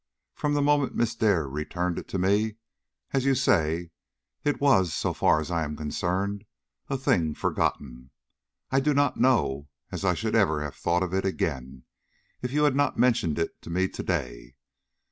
From the moment Miss Dare returned it to me, as you say, it was, so far as I am concerned, a thing forgotten. I do not know as I should ever have thought of it again, if you had not mentioned it to me to day.